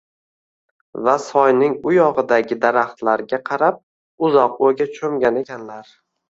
va soyning u yog’idagi daraxtlarga karab, uzoq o’yga cho’mgan ekanlar